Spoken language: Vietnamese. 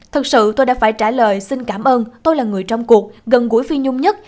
thật sự tôi đã phải trả lời xin cảm ơn tôi là người trong cuộc gần gũi phi nhung nhất